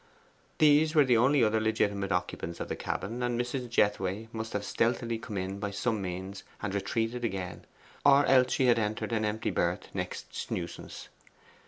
These were the only other legitimate occupants of the cabin, and Mrs. Jethway must have stealthily come in by some means and retreated again, or else she had entered an empty berth next Snewson's.